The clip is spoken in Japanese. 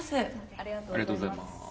ありがとうございます。